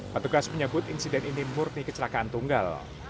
petugas menyebut insiden ini murni kecelakaan tunggal